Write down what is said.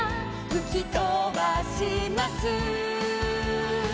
「ふきとばします」